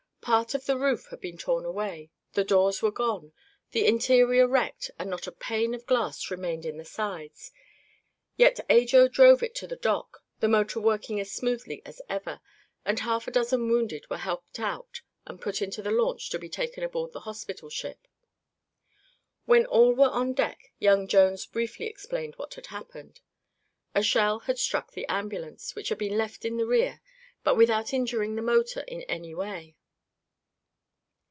Part of the roof had been torn away, the doors were gone, the interior wrecked and not a pane of glass remained in the sides; yet Ajo drove it to the dock, the motor working as smoothly as ever, and half a dozen wounded were helped out and put into the launch to be taken aboard the hospital ship. When all were on deck, young Jones briefly explained what had happened. A shell had struck the ambulance, which had been left in the rear, but without injuring the motor in any way.